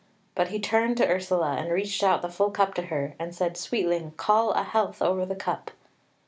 But he turned to Ursula and reached out the full cup to her, and said: "Sweetling, call a health over the cup!"